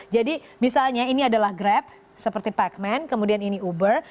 jadi misalnya ini adalah grab seperti pacman kemudian ini uber